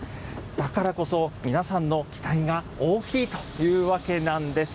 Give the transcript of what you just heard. だからこそ、皆さんの期待が大きいというわけなんです。